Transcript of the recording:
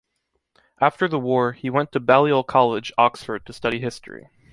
After the war, he went to Balliol College, Oxford to study history.